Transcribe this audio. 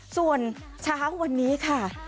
ส่วนเช้าวันนี้ค่ะ